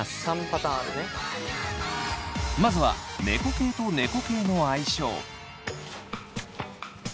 まずは猫系と猫系の相性。